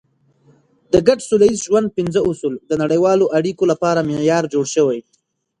د ګډ سوله ییز ژوند پنځه اصول د نړیوالو اړیکو لپاره معیار جوړ شوی.